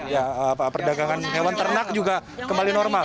ya perdagangan hewan ternak juga kembali normal